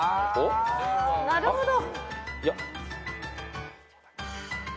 なるほど。